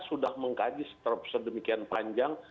sudah mengkaji sedemikian panjang